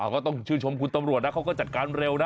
ก็ต้องชื่นชมคุณตำรวจนะเขาก็จัดการเร็วนะ